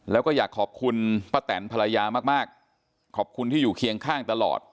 แล้วก็อยากขอบคุณป้าแตนภรรยามากมากขอบคุณที่อยู่เคียงข้างตลอด